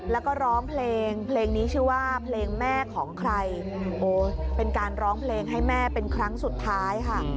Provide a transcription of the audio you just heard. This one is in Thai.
แล้วก็ร้องเพลงเพลงนี้ชื่อว่าเพลงแม่ของใครโอ้เป็นการร้องเพลงให้แม่เป็นครั้งสุดท้ายค่ะ